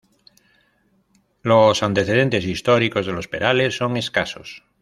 Los antecedentes históricos de Los Perales son escasos.